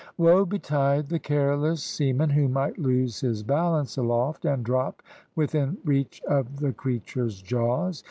Woe betide the careless seaman who might lose his balance aloft, and drop within reach of the creature's jaws.